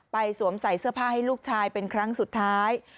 สวมใส่เสื้อผ้าให้ลูกชายเป็นครั้งสุดท้าย